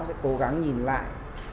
sẽ cố gắng nhìn lại